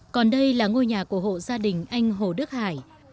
còn đây là ngôi nhà của hộ gia đình anh hồ đức hải